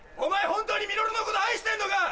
本当にミノルのこと愛してんのか！